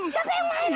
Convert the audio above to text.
siapa yang main